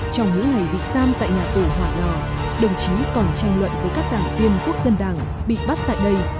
trong những ngày bị giam tại nhà tù hỏa lò đồng chí còn tranh luận với các đảng viên quốc dân đảng bị bắt tại đây